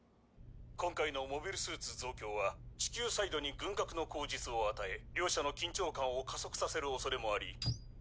今回のモビルスーツ増強は地球サイドに軍拡の口実を与え両者の緊張感を加速させるおそれもあり。